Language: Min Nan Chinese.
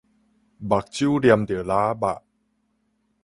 目睭黏著蜊仔肉